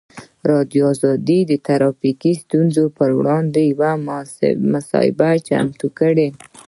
ازادي راډیو د ټرافیکي ستونزې پر وړاندې یوه مباحثه چمتو کړې.